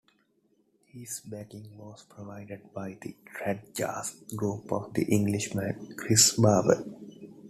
His backing was provided by the trad jazz group of the Englishman Chris Barber.